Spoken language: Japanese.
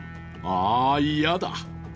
ああ、嫌だ。